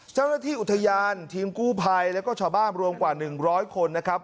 เจ้าหน้าที่อุทยานทีมกู้ภัยแล้วก็ชาวบ้านรวมกว่า๑๐๐คนนะครับ